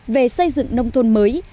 về xây dựng nông thôn mới